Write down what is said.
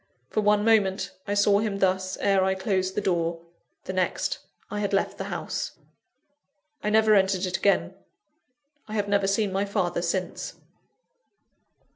For one moment, I saw him thus, ere I closed the door the next, I had left the house. I never entered it again I have never seen my father since.